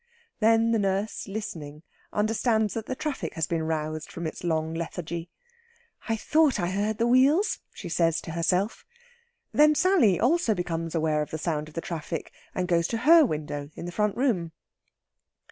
Then the nurse, listening, understands that the traffic has been roused from its long lethargy. "I thought I heard the wheels," she says to herself. Then Sally also becomes aware of the sound in the traffic, and goes to her window in the front room.